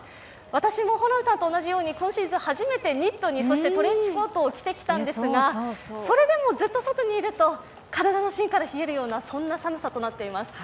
私もホランさんと同じように今シーズン初めてニットにトレンチコートを着てきたんですが、それでもずっと外にいると、体の芯から冷えるような、そんな寒さとなっています。